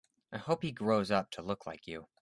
I hope he grows up to look like you.